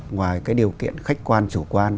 ngoài cái điều kiện khách quan chủ quan